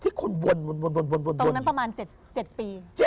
ที่คุณวนตรงนั้นประมาณ๗ปี